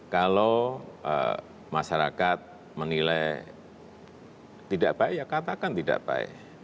kalau masyarakat menilai tidak baik ya katakan tidak baik